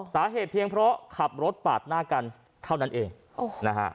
สาเหตุเพียงเพราะขับรถปาดหน้ากันเท่านั้นเองโอ้โหนะฮะ